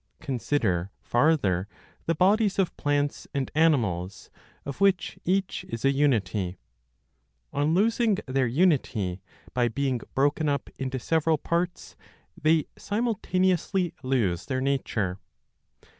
Consider farther the bodies of plants and animals, of which each is a unity. On losing their unity by being broken up into several parts, they simultaneously lose their nature.